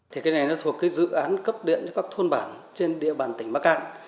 thì cái này nó thuộc cái dự án cấp điện cho các thôn bản trên địa bàn tỉnh bắc cạn